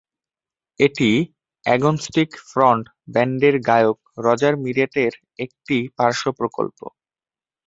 এটি Agnostic Front ব্যান্ডের গায়ক রজার মিরেটের একটি পার্শ্ব প্রকল্প।